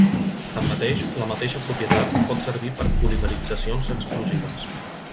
Tanmateix, la mateixa propietat pot servir per polimeritzacions explosives.